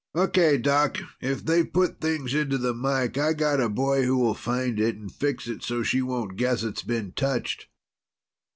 Okay, Doc. If they've put things into the mike, I've got a boy who'll find and fix it so she won't guess it's been touched."